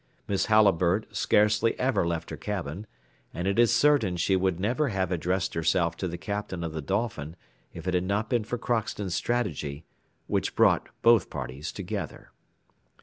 Miss Halliburtt scarcely ever left her cabin, and it is certain she would never have addressed herself to the Captain of the Dolphin if it had not been for Crockston's strategy, which brought both parties together.